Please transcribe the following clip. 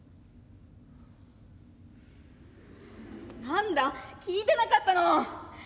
「何だ聞いてなかったの。